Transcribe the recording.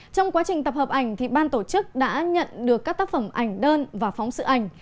trong quá trình tập hợp ảnh ban tổ chức đã nhận được các tác phẩm ảnh đơn và phóng sự ảnh